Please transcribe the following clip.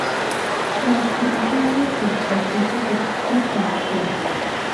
Сара ацәқәырԥақәа срыцын, амшын хықәаҿ сԥыххаа сцон.